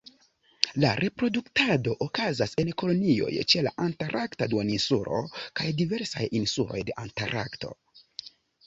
La reproduktado okazas en kolonioj ĉe la Antarkta Duoninsulo, kaj diversaj insuloj de Antarkto.